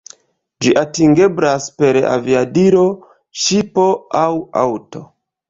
Ĝi atingeblas per aviadilo, ŝipo aŭ aŭto.